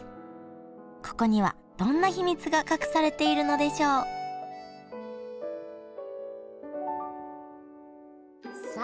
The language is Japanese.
ここにはどんな秘密が隠されているのでしょう？さあ！